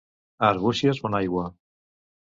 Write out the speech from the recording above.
A Arbúcies, bona aigua.